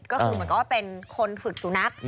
ก็คือเหมือนกับว่าเป็นคนฝึกสุนัข